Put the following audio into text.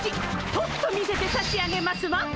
とくと見せてさしあげますわ！